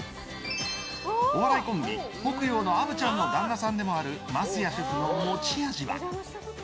お笑いコンビ、北陽の虻ちゃんの旦那さんでもある桝谷シェフの持ち味は。